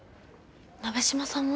鍋島さんも？